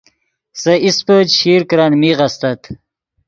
سے ایسپے چشیر کرن میغ استت